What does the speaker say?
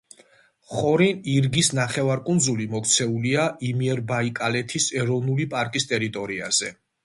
ხორინ-ირგის ნახევარკუნძული მოქცეულია იმიერბაიკალეთის ეროვნული პარკის ტერიტორიაზე.